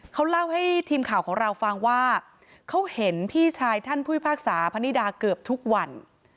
เขาเล่าให้ทีมข่าวของเราฟังว่าเขาเห็นพี่ชายท่านผู้พิพากษาพนิดาเกือบทุกวัน